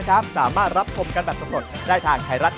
ครับค่ะ